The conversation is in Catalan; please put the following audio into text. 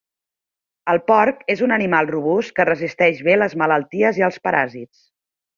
El porc és un animal robust que resisteix bé les malalties i els paràsits.